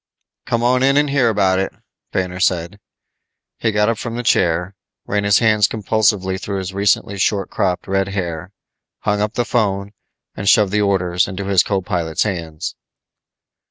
"Come on in and hear about it," Banner said. He got up from the chair, ran his hands compulsively through his recently short cropped red hair, hung up the phone and shoved the orders into his co pilot's hands.